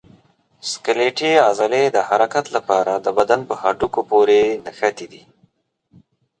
سکلیټي عضلې د حرکت لپاره د بدن په هډوکو پورې نښتي دي.